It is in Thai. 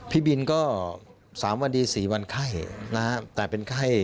พี่บินก็๓วันดี๔วันไข้นะฮะแต่เป็นไข้